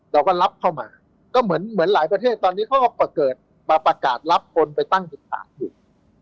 เราก็รับเข้ามาก็เหมือนหลายประเทศตอนนี้เขาก็เกิดมาประกาศรับคนไปตั้งคำถามอยู่